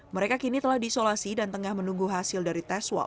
mereka kini telah diisolasi dan tengah menunggu hasil dari tes swab